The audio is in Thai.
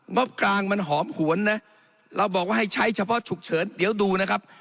บกลางมันหอมหวนนะเราบอกว่าให้ใช้เฉพาะฉุกเฉินเดี๋ยวดูนะครับ